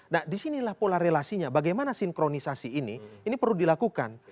nah disinilah pola relasinya bagaimana sinkronisasi ini ini perlu dilakukan